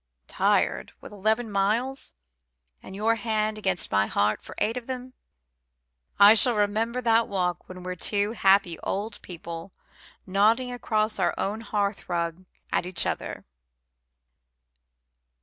"Tired? with eleven miles, and your hand against my heart for eight of them? I shall remember that walk when we're two happy old people nodding across our own hearthrug at each other."